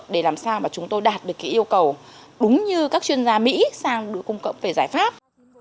để làm sao mà chúng tôi đạt được cái yêu cầu đúng như các chuyên gia mỹ sang đưa cung cập về giải pháp